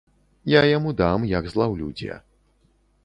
Я яму дам, як злаўлю дзе.